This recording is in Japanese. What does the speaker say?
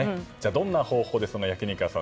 どんな方法で、その焼き肉屋さん